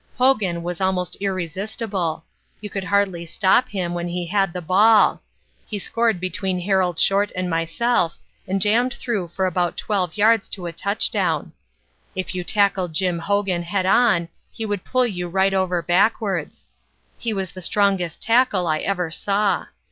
Hogan was almost irresistible. You could hardly stop him when he had the ball. He scored between Harold Short and myself and jammed through for about 12 yards to a touchdown. If you tackled Jim Hogan head on he would pull you right over backwards. He was the strongest tackle I ever saw.